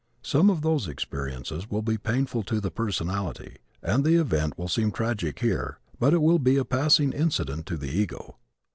Some of those experiences will be painful to the personality, and the event will seem tragic here, but it will be a passing incident to the ego.